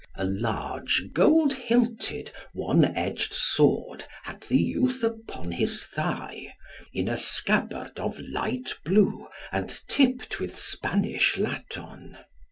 A large gold hilted one edged sword had the youth upon his thigh, in a scabbard of light blue, and tipped with Spanish laton.